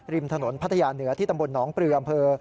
ริมถนนพัทยาเหนือที่ตำบลหนองปลืออำเภอ